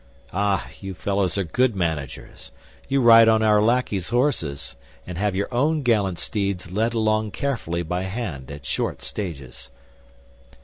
Ah, you fellows are good managers! You ride on our lackey's horses, and have your own gallant steeds led along carefully by hand, at short stages."